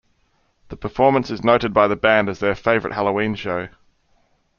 The performance is noted by the band as their favorite Halloween show.